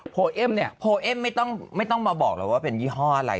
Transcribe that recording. เอ็มเนี่ยโพเอ็มไม่ต้องไม่ต้องมาบอกแล้วว่าเป็นยี่ห้ออะไร